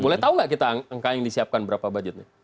boleh tahu nggak kita angka yang disiapkan berapa budgetnya